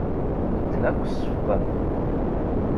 Medden akk seffqen.